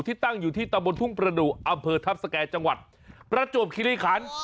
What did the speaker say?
ตั้งอยู่ที่ตำบลทุ่งประดุอำเภอทัพสแก่จังหวัดประจวบคิริคัน